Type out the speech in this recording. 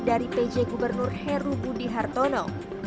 dari pj gubernur heru budi hartono